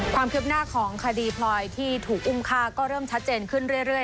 ความคืบหน้าของคดีพลอยที่ถูกอุ้มฆ่าก็เริ่มชัดเจนขึ้นเรื่อย